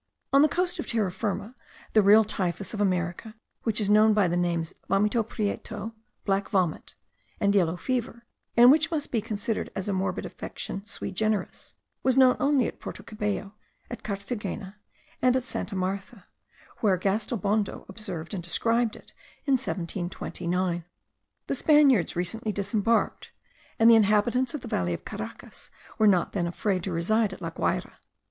On the coast of Terra Firma, the real typhus of America, which is known by the names vomito prieto (black vomit) and yellow fever, and which must be considered as a morbid affection sui generis, was known only at Porto Cabello, at Carthagena, and at Santa Martha, where Gastelbondo observed and described it in 1729. The Spaniards recently disembarked, and the inhabitants of the valley of Caracas, were not then afraid to reside at La Guayra.